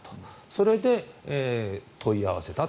それで問い合わせたと。